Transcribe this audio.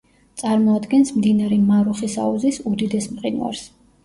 წარმოადგენს მდინარე მარუხის აუზის უდიდეს მყინვარს.